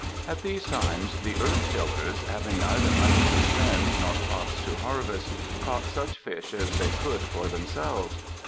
At these times the earth tillers, having neither money to spend nor crops to harvest, caught such fish as they could for themselves.